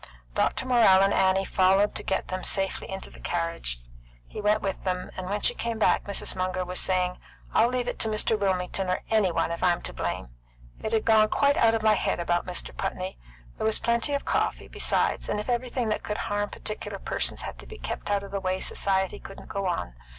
Dr. Morrell and Annie followed to get them safely into the carriage; he went with them, and when she came back Mrs. Munger was saying: "I will leave it to Mr. Wilmington, or any one, if I'm to blame. It had quite gone out of my head about Mr. Putney. There was plenty of coffee, besides, and if everything that could harm particular persons had to be kept out of the way, society couldn't go on.